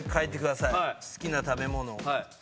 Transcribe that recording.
好きな食べ物。